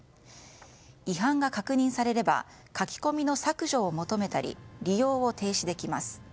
違反が確認されれば書き込みの削除を求めたり利用を停止できます。